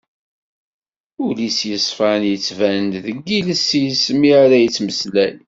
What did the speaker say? Ul-is yesfan yettban-d deg yiles-is mi ara yettmeslay.